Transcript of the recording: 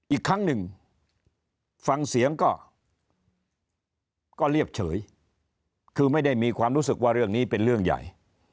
อีกครั้งหนึ่งฟังเสียงก็เรียบเฉยคือไม่ได้มีความรู้สึกว่าเรื่องนี้เป็นเรื่องใหญ่